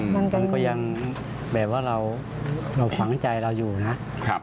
มันก็ยังแบบว่าเราฝังใจเราอยู่นะ